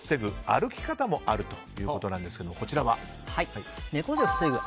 歩き方もあるということですが猫背を防ぐ